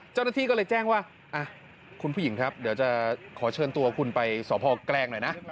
เจ้าหน้าที่ก็เลยแจ้งว่าคุณผู้หญิงครับเดี๋ยวจะขอเชิญตัวคุณไปสพแกลงหน่อยนะ